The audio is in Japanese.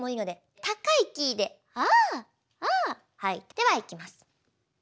ではいきます。